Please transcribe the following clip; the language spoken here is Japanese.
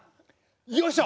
よいしょ。